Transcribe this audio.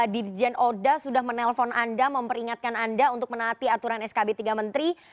dirjen oda sudah menelpon anda memperingatkan anda untuk menaati aturan skb tiga menteri